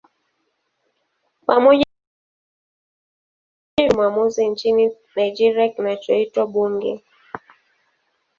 Pamoja vyumba viwili vya sheria hufanya mwili maamuzi nchini Nigeria kinachoitwa Bunge.